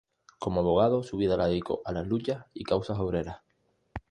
Como abogado su vida la dedicó a las luchas y causas obreras.